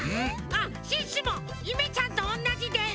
シュッシュもゆめちゃんとおんなじです。